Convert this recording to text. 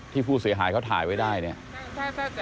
หนูเลี้ยวหนูไม่เปิดไฟเลี้ยว